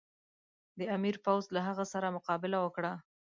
د امیر پوځ له هغه سره مقابله وکړه.